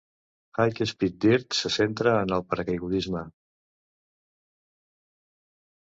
"High Speed Dirt" se centra en el paracaigudisme.